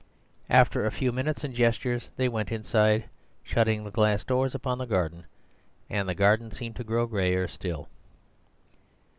After a few minutes and gestures they went inside, shutting the glass doors upon the garden; and the garden seemed to grow grayer still.